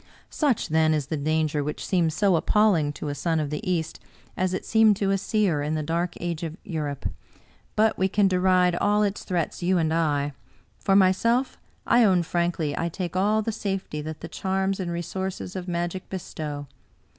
Such, then, is the danger which seems so appalling to a son of the East, as it seemed to a seer in the dark age of Europe. But we can deride all its threats, you and I. For myself, I own frankly I take all the safety that the charms and resources of magic be stow.